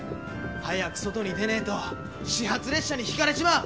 早く外に出ねぇと始発列車に轢かれちまう！